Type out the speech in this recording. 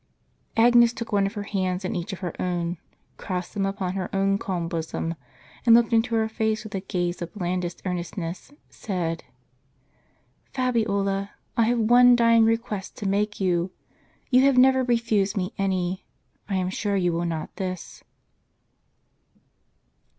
Agnes took one of her hands in each of' her own, crossed them upon her own calm bosom, and looking into her face with a gaze of blandest earnestness, said : "Fabiola, I have one dying request to make you. You have never refused me any : I am sure you will not this."